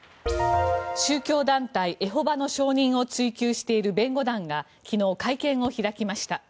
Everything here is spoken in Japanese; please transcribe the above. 宗教団体エホバの証人を追及している弁護団が昨日、会見を開きました。